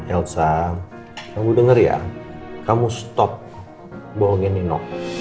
elsa kamu dengar ya kamu stop bohongin nino